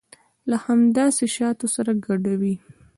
له همداسې شاتو سره ګډوي.